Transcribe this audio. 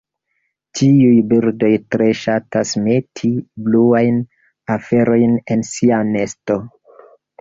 Tiuj birdoj tre ŝatas meti bluajn aferojn en sia nesto.